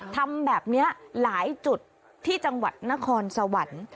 ทำแบบนี้หลายจุดที่จังหวัดนครสวรรค์